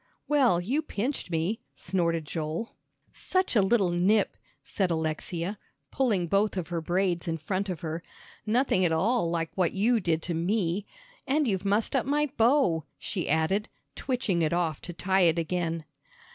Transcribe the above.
"Well, you pinched me," snorted Joel. "Such a little nip," said Alexia, pulling both of her braids in front of her; "nothing at all like what you did to me. And you've mussed up my bow," she added, twitching it off to tie it again.